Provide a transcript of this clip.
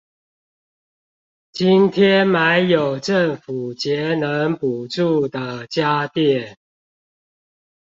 今天買有政府節能補助的家電